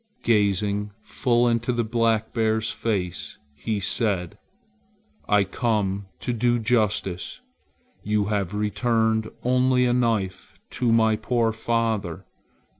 Gazing full into the black bear's face, he said: "I come to do justice. You have returned only a knife to my poor father.